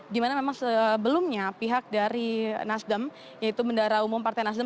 di mana memang sebelumnya pihak dari nasdem yaitu bandara umum partai nasdem